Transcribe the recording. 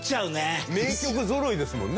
名曲ぞろいですもんね。